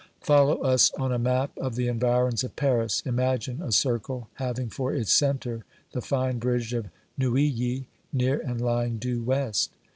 Follow us on a map of the environs of Paris, Imagine a circle having for its centre the fine bridge of Neuilly near and lying due west.